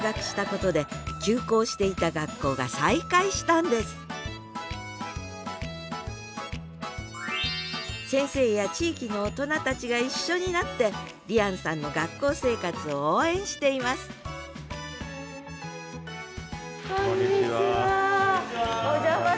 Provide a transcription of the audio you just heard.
ただ１人先生や地域の大人たちが一緒になって璃杏さんの学校生活を応援していますこんにちは。